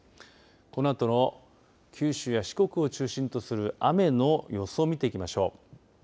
このあとの九州や四国を中心とする雨の予想を見ていきましょう。